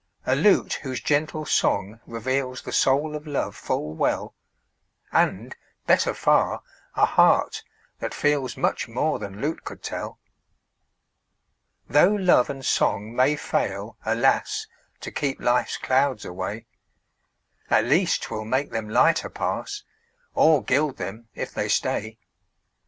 A lute whose gentle song reveals The soul of love full well; And, better far, a heart that feels Much more than lute could tell. Tho' love and song may fail, alas! To keep life's clouds away, At least 'twill make them lighter pass, Or gild them if they stay.